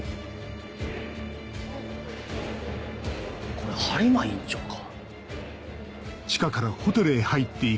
これ播磨院長か？